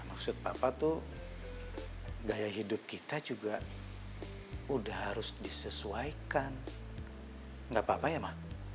maksud papa tuh gaya hidup kita juga udah harus disesuaikan enggak papa ya ma